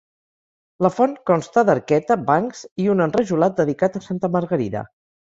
La font consta d'arqueta, bancs i un enrajolat dedicat a santa Margarida.